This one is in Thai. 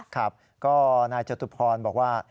ครับก็นายจตุพรบอกว่า